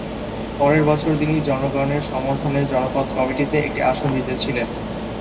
পরের বছর তিনি জনগণের সমর্থনে জনপদ কমিটিতে একটি আসন জিতেছিলেন।